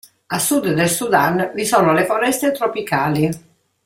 A sud del Sudan vi sono le foreste tropicali.